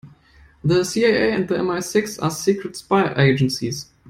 The CIA and MI-Six are secret spy agencies.